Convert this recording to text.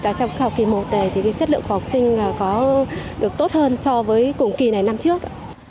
trong học kỳ một này thì sức lượng của học sinh có được tốt hơn so với cùng kỳ này năm trước